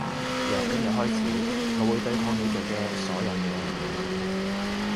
由今日開始我會對抗你做嘅所有嘢